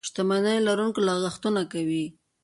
شتمنيو لرونکي لګښتونه کوي.